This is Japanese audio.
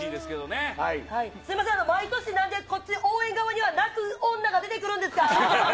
すみません、毎年、なんでこっち、応援側には泣く女が出てくるんですか？